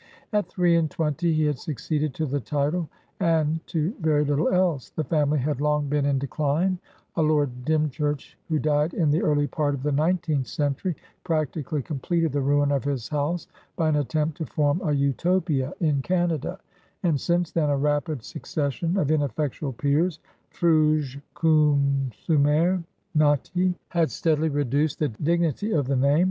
At three and twenty he had succeeded to the titleand to very little else; the family had long been in decline; a Lord Dymchurch who died in the early part of the nineteenth century practically completed the ruin of his house by an attempt to form a Utopia in Canada, and since then a rapid succession of ineffectual peers, fruges consumere nati, had steadily reduced the dignity of the name.